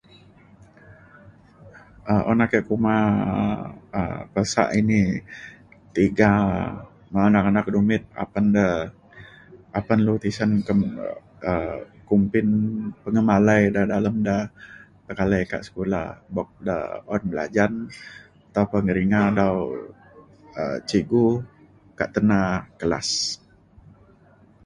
um un ake kuma um peresa ini tiga me anak anak dumit apan de apan lu tisen kem- um kumbin pengemalai da dalem da pekalai kak sekula buk da un belajan ataupa ngeringa dau um cikgu kak tena kelas